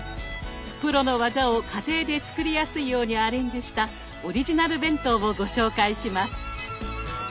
プロの技を家庭で作りやすいようにアレンジしたオリジナル弁当をご紹介します。